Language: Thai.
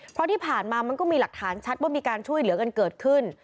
เพราะที่ผ่านมามันก็มีหลักฐานชัดว่ามีการช่วยเหลือกันเกิดขึ้น